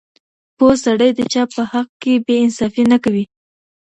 پوه سړی د چا په حق کي بې انصافي نه کوي.